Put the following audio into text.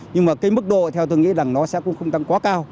nhưng mà cái mức độ theo tôi nghĩ rằng nó sẽ cũng không tăng quá cao